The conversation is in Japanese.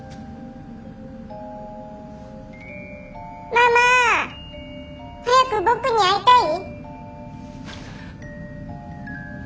「ママ早く僕に会いたい？」。